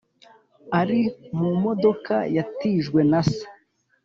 ari mumodoka yatijwe na se.